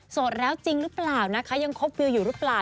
แล้วจริงหรือเปล่านะคะยังคบวิวอยู่หรือเปล่า